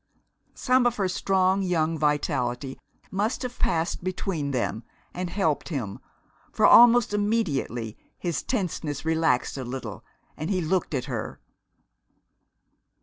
Some of her strong young vitality must have passed between them and helped him, for almost immediately his tenseness relaxed a little, and he looked at her.